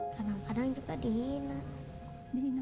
kadang kadang juga dihina